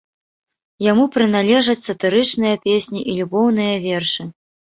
Яму прыналежаць сатырычныя песні і любоўныя вершы.